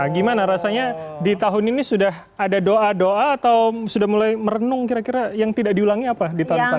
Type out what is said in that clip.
gimana rasanya di tahun ini sudah ada doa doa atau sudah mulai merenung kira kira yang tidak diulangi apa di tahun depan